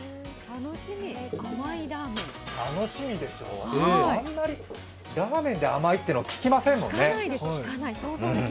楽しみでしょ、あんまりラーメンで甘いって聞きませんもんね。